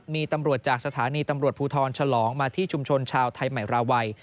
มีตำรวจจากสถานีตำรวจภูทรฉลองมาที่ชุมชนชาวไทยใหม่ราวัย